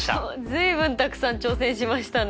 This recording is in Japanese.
随分たくさん挑戦しましたね。